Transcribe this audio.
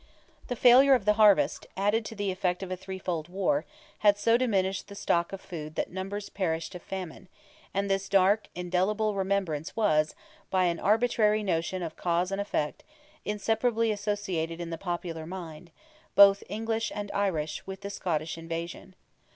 The failure of the harvest, added to the effect of a threefold war, had so diminished the stock of food that numbers perished of famine, and this dark, indelible remembrance was, by an arbitrary notion of cause and effect, inseparably associated in the popular mind, both English and Irish, with the Scottish invasion.